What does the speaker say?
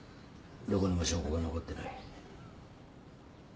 どこにも証拠が残ってない。